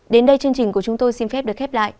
đến đây chương trình của chúng tôi xin phép được khép lại